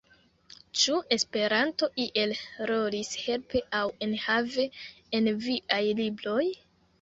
Ĉu Esperanto iel rolis helpe aŭ enhave en viaj libroj?